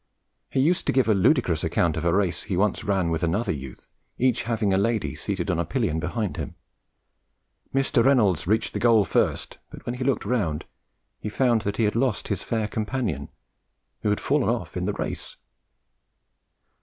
He used to give a ludicrous account of a race he once ran with another youth, each having a lady seated on a pillion behind him; Mr. Reynolds reached the goal first, but when he looked round he found that he had lost his fair companion, who had fallen off in the race!